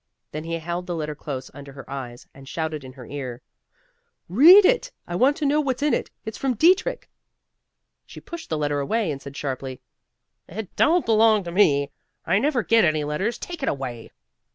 Then he held the letter close under her eyes, and shouted in her ear, "Read it! I want to know what's in it. It's from Dietrich." She pushed the letter away and said sharply, "It don't belong to me. I never get any letters. Take it away."